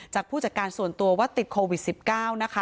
ผู้จัดการส่วนตัวว่าติดโควิด๑๙นะคะ